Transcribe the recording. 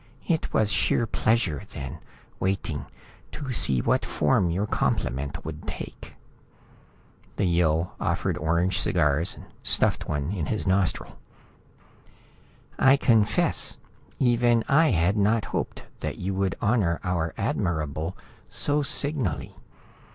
It was sheer pleasure then, waiting, to see what form your compliment would take." The Yill offered orange cigars, stuffed one in his nostril. "I confess even I had not hoped that you would honor our Admirable so signally.